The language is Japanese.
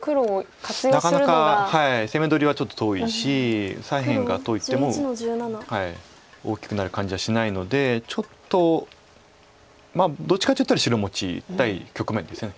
なかなか攻め取りはちょっと遠いし左辺が取れても大きくなる感じはしないのでちょっとどっちかっていったら白持ちたい局面ですよね。